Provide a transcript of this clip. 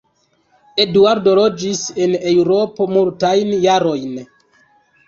Eduardo loĝis en Eŭropo multajn jarojn.